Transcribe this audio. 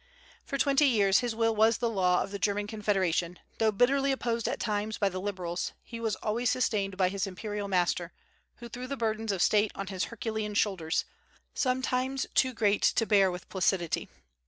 For twenty years his will was the law of the German Confederation; though bitterly opposed at times by the Liberals, he was always sustained by his imperial master, who threw the burdens of State on his herculean shoulders, sometimes too great to bear with placidity.